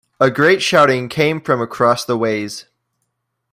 A great shouting came from across the ways.